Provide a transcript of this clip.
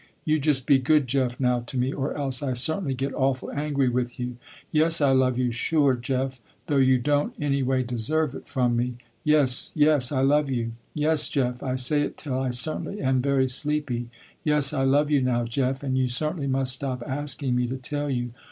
You just be good Jeff now to me or else I certainly get awful angry with you. Yes I love you, sure, Jeff, though you don't any way deserve it from me. Yes, yes I love you. Yes Jeff I say it till I certainly am very sleepy. Yes I love you now Jeff, and you certainly must stop asking me to tell you.